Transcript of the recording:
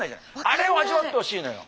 あれを味わってほしいのよ。